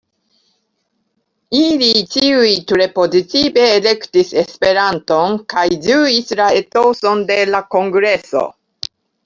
Ili ĉiuj tre pozitive elektis Esperanton kaj ĝuis la etoson de la kongreso.